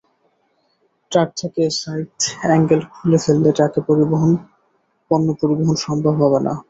Truck থেকে side angle খুলে ফেললে ট্রাকে পণ্য পরিবহন সম্ভব হবে না।